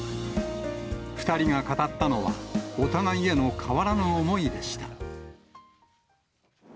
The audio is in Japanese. ２人が語ったのは、お互いへの変わらぬ思いでした。